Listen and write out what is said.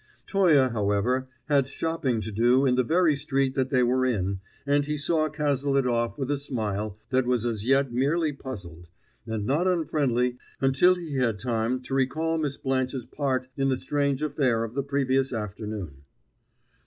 Toye, however, had shopping to do in the very street that they were in, and he saw Cazalet off with a smile that was as yet merely puzzled, and not unfriendly until he had time to recall Miss Blanche's part in the strange affair of the previous afternoon.